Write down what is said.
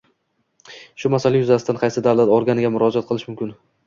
Shu masala yuzasidan qaysi davlat organiga murojaat qilish mumkin?